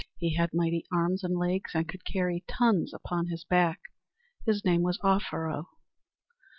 He had mighty arms and legs and could carry tons upon his back. His name was Offero.